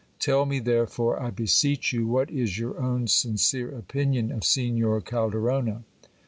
Tell me, therefore, I be seech you, what is your own sincere opinion of Signor Calderona.